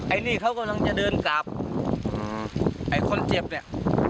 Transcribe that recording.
ไอ้นี่เขากำลังจะเดินกลับไอ้คนเจ็บเนี่ย